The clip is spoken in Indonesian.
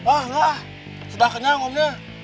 ah sudah kenyang omnya